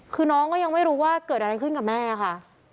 คือน้องก็ยังไม่รู้ว่าเกิดอะไรขึ้นกับแม่ค่ะ